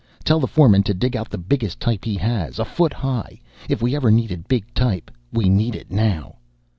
Tell the foreman to dig out the biggest type he has. A foot high. If we ever needed big type, we need it now!"